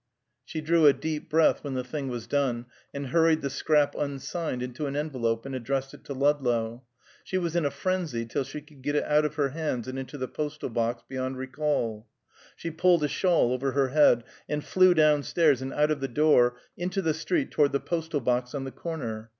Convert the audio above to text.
She drew a deep breath when the thing was done, and hurried the scrap unsigned into an envelope and addressed it to Ludlow. She was in a frenzy till she could get it out of her hands and into the postal box beyond recall. She pulled a shawl over her head and flew down stairs and out of the door into the street toward the postal box on the corner.